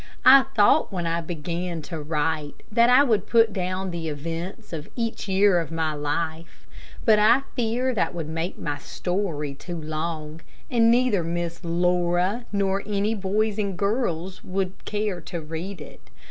I thought when I began to write, that I would put down the events of each year of my life, but I fear that would make my story too long, and neither Miss Laura nor any boys and girls would care to read it.